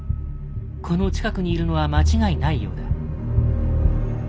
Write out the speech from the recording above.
この近くにいるのは間違いないようだ。